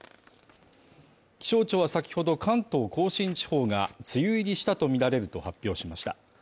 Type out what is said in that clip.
気象庁はさきほど関東甲信地方が梅雨入りしたとみられると発表しました。